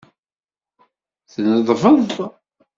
Tneḍbeḍ.